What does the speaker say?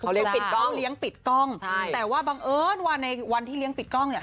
ไปปิดกล้องเลี้ยงปิดกล้องใช่แต่ว่าบังเอิญว่าในวันที่เลี้ยงปิดกล้องเนี่ย